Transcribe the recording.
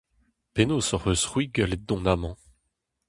Penaos hoc'h eus-c'hwi gallet dont amañ ?